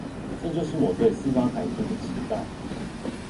這就是我對司法改革的期待